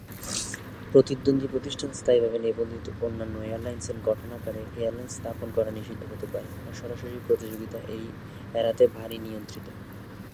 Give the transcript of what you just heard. প্রতিদ্বন্দ্বী প্রতিষ্ঠান স্থায়ীভাবে নিবন্ধিত অন্যান্য এয়ারলাইন্সের গঠন আকারে এয়ারলাইন্স স্থাপন করা নিষিদ্ধ হতে পারে, বা সরাসরি প্রতিযোগিতা এড়াতে ভারী নিয়ন্ত্রিত।